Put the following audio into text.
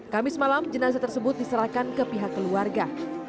kamis malam jenazah tersebut diserahkan ke pihak keluarga